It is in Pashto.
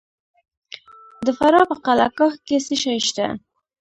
د فراه په قلعه کاه کې څه شی شته؟